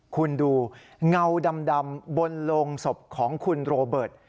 คุณดูเงาดำบนโรงศพของคุณโรเบิร์ต